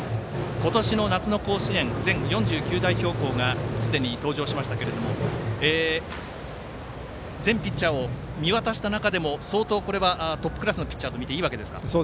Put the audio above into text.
今年の夏の甲子園全４９代表校がすでに登場しましたが全ピッチャーを見渡した中でも相当これはトップクラスのピッチャーと見ていいわけですか。